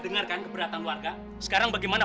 dengarkan keberatan warga sekarang bagaimana